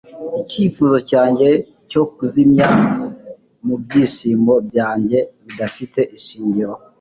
icyifuzo cyanjye cyo kuzimya mubyishimo byanjye bidafite ishingiro